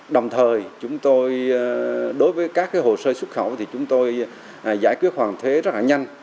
tạm thời đối với các hồ sơ xuất khẩu thì chúng tôi giải quyết hoàn thuế rất là nhanh